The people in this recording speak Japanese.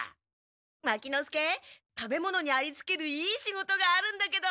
牧之介食べ物にありつけるいい仕事があるんだけど。